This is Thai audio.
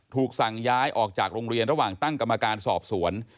ถูกสั่งย้ายออกจากโรงเรียนระหว่างตั้งกรรมการสอบสวน